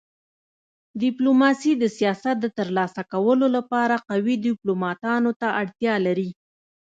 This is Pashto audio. ډيپلوماسي د سیاست د تر لاسه کولو لپاره قوي ډيپلوماتانو ته اړتیا لري.